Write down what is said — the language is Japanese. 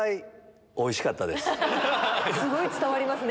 すごい伝わりますね。